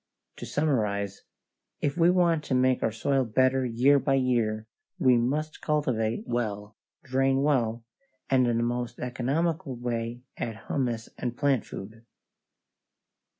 To summarize: if we want to make our soil better year by year, we must cultivate well, drain well, and in the most economical way add humus and plant food.